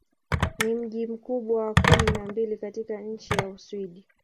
Ni mji mkubwa wa kumi na mbili katika nchi wa Uswidi.